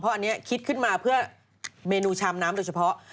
อันนี้คิดขึ้นมาเพื่อเมนูชามน้ำโดยเฉพาะ